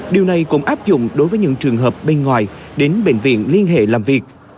điều này cũng áp dụng đối với những trường hợp bên ngoài đến bệnh viện liên hệ làm việc